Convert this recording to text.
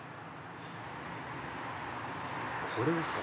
これですか？